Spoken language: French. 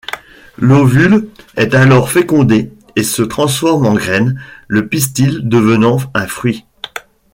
L'ovule est alors fécondé et se transforme en graine, le pistil devenant un fruit.